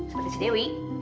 seperti si dewi